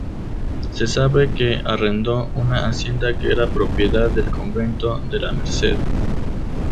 Se sabe que arrendó una hacienda que era propiedad del convento de La Merced.